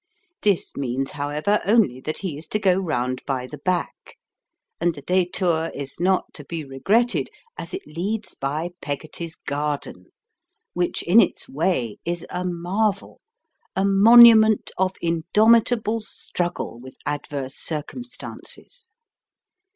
This means, however, only that he is to go round by the back, and the detour is not to be regretted, as it leads by Peggotty's garden, which in its way is a marvel, a monument of indomitable struggle with adverse circumstances.